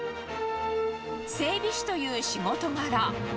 整備士という仕事柄。